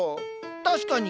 確かに。